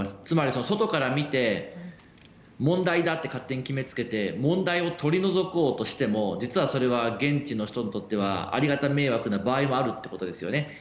つまり、外から見て問題だと勝手に決めつけて問題を取り除こうとしても実は、それは現地の人にとってはありがた迷惑な場合もあるということですよね。